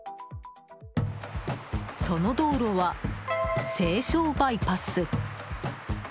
その道路は、西湘バイパス。